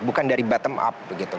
bukan dari bottom up begitu